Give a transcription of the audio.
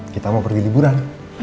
kita mau pergi liburan